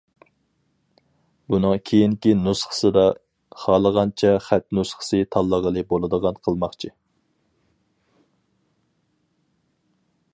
بۇنىڭ كېيىنكى نۇسخىسىدا خالىغانچە خەت نۇسخىسى تاللىغىلى بولىدىغان قىلماقچى.